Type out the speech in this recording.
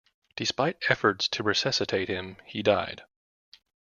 Despite efforts to resuscitate him, he died.